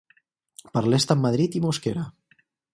Per l'est amb Madrid i Mosquera.